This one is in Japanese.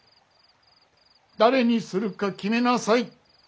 誰にするか決めなさい。